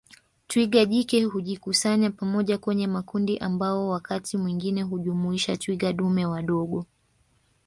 Twiga jike hujikusanya pamoja kwenye makundi ambao wakati mwingine hujumuisha twiga dume wadogo